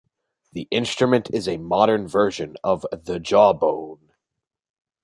The instrument is a modern version of the jawbone.